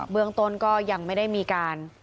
เมืองต้นก็ยังไม่ได้มีการ